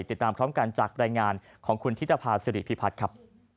ติดตามพร้อมกันจากรายงานของคุณธิตภาษิริพิพัฒน์ครับ